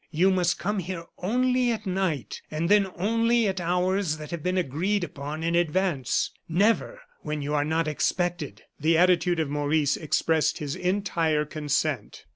You must come here only at night, and then only at hours that have been agreed upon in advance never when you are not expected." The attitude of Maurice expressed his entire consent.